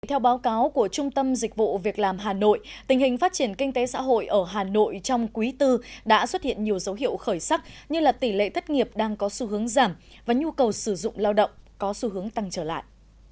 theo báo cáo của trung tâm dịch vụ việc làm hà nội tình hình phát triển kinh tế xã hội ở hà nội trong quý iv đã xuất hiện nhiều dấu hiệu khởi sắc như tỷ lệ thất nghiệp đang có xu hướng giảm và nhu cầu sử dụng lao động có xu hướng tăng trở lại